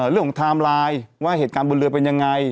ไทม์ไลน์ว่าเหตุการณ์บนเรือเป็นยังไง